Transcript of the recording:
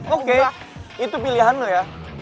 oke itu pilihan loh ya